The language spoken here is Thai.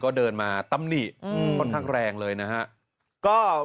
ก็เดินมาตำหนิค่อนข้างแรงเลยนะครับ